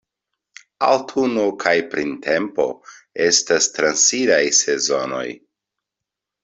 Aŭtuno kaj printempo estas transiraj sezonoj.